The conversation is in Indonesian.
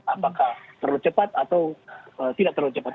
apakah perlu cepat atau tidak terlalu cepat